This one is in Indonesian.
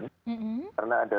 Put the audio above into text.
karena ada ribuan yang kena disuruh